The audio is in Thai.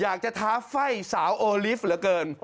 อยากจะท้าไฟ้สาวโอลิฟต์เหลือเกิน